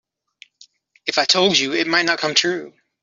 If I told you it might not come true.